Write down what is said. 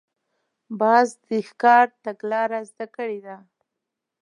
باز د ښکار تګلاره زده کړې ده